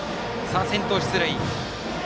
先頭出塁。